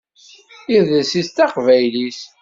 Idles-is d taqbaylit.